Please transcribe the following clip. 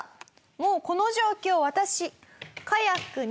もうこの状況私。